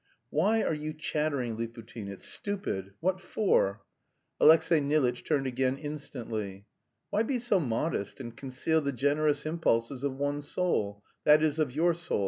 "Why are you chattering, Liputin; it's stupid. What for?" Alexey Nilitch turned again instantly. "Why be so modest and conceal the generous impulses of one's soul; that is, of your soul?